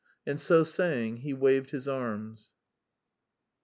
and so saying he waved his arms.